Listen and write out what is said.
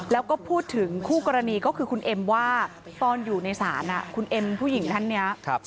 แล้วก็พูดถึงคู่กรณีก็คือคุณเอ็มว่าตอนอยู่ในศาลคุณเอ็มผู้หญิงท่านนี้